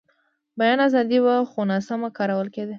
بیان ازادي وه، خو ناسمه کارول کېده.